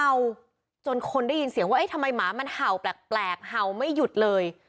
จนคนได้ยินเสียงว่าเอ๊ะทำไมหมามันเห่าแปลกเห่าไม่หยุดเลย